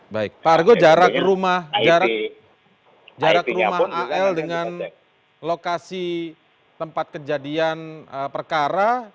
baik pak argo jarak rumah al dengan lokasi tempat kejadian perkara